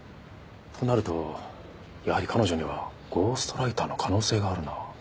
となるとやはり彼女にはゴーストライターの可能性があるな。